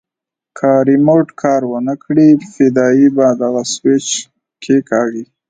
که ريموټ کار ونه کړي فدايي به دغه سوېچ کښېکاږي.